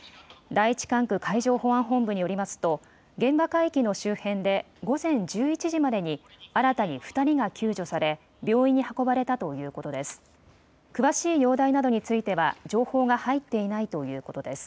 第１管区海上保安本部によりますと現場海域の周辺で午前１１時までに新たに２人が救助され病院に運ばれたということです。